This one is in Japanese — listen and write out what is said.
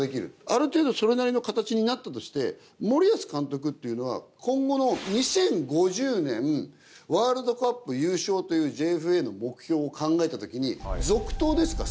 ある程度それなりの形になったとして森保監督っていうのは今後の「２０５０年ワールドカップ優勝」というＪＦＡの目標を考えたときに続投ですか？